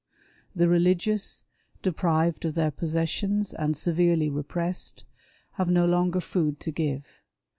The religious^ deprived of their possessions, and severely repressed, have no longer food to give.